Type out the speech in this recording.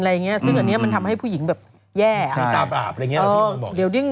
ซึ่งอันนี้มันทำให้ผู้หญิงแย่